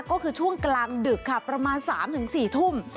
ก็คือช่วงกลางดึกค่ะประมาณสามถึงสี่ทุ่ม